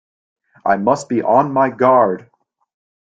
I must be on my guard!